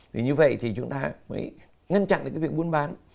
thì như vậy thì chúng ta mới ngăn chặn được cái việc buôn bán